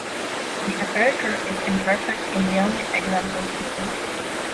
The aperture is imperfect in the only example seen.